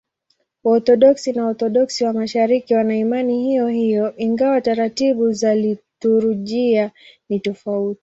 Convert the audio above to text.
Waorthodoksi na Waorthodoksi wa Mashariki wana imani hiyohiyo, ingawa taratibu za liturujia ni tofauti.